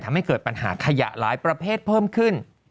ทำให้เกิดปัญหาขยะหลายประเภทเพิ่มขึ้น